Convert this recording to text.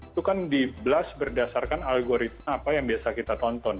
itu kan di blast berdasarkan algoritma apa yang biasa kita tonton